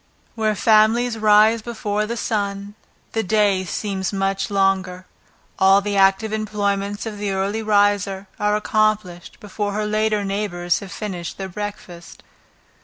Where families rise before the sun, the day seems much longer; all the active employments of the early riser are accomplished before her later neighbors have finished their breakfast.